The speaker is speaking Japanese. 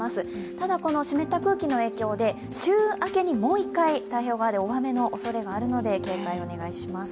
ただ湿った空気の影響で週明けにもう一回太平洋側で大雨のおそれがあるので警戒をお願いします。